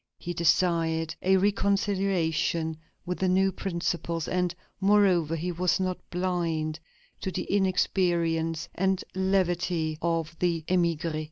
He desired a reconciliation with the new principles, and, moreover, he was not blind to the inexperience and levity of the émigrés.